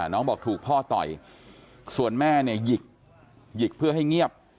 น้องบอกถูกพ่อต่อยส่วนแม่เนี่ยหยิกหยิกเพื่อให้เงียบ